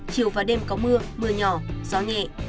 chiều và đêm có mưa mưa nhỏ gió nhẹ